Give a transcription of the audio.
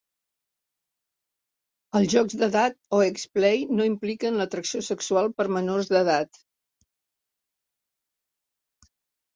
Els jocs d'edat o ageplay no impliquen l'atracció sexual per menors d'edat.